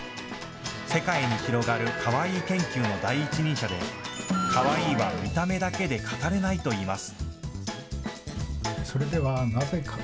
世界に広がるかわいい研究の第一人者で、かわいいは見た目だけで語れないといいます。